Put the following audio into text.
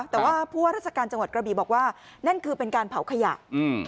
แต่ว่าผู้ว่าราชการจังหวัดกระบีบอกว่านั่นคือเป็นการเผาขยะอืม